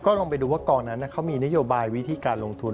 ลองไปดูว่ากองนั้นเขามีนโยบายวิธีการลงทุน